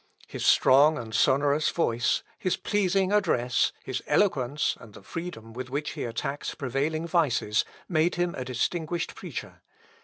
His strong and sonorous voice, his pleasing address, his eloquence, and the freedom with which he attacked prevailing vices, made him a distinguished preacher.